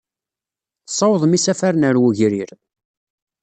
Tessawḍem isafaren ɣer wegrir.